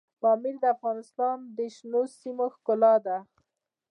پامیر د افغانستان د شنو سیمو ښکلا ده.